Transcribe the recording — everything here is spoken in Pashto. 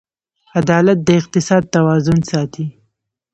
عدالت د اقتصاد توازن ساتي.